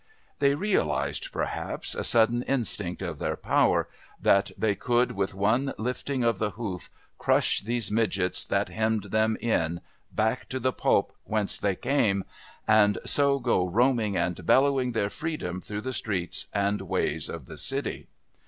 They realised perhaps a sudden instinct of their power, that they could with one lifting of the hoof crush these midgets that hemmed them in back to the pulp whence they came, and so go roaming and bellowing their freedom through the streets and ways of the city.